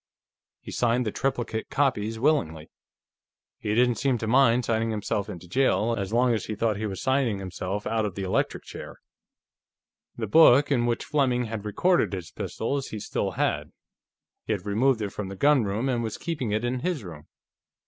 He signed the triplicate copies willingly; he didn't seem to mind signing himself into jail, as long as he thought he was signing himself out of the electric chair. The book in which Fleming had recorded his pistols he still had; he had removed it from the gunroom and was keeping it in his room.